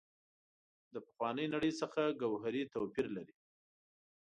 پخوانۍ نړۍ څخه ګوهري توپیر لري.